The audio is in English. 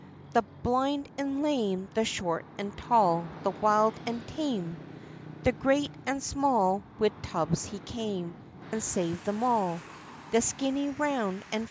The blind an' lame, the short, an' tall, the wild, an' tame, The great, an' small, wid tubs he came, an' saved them all, The skinny, round, an' fat.